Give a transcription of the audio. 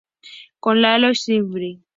Con Lalo Schifrin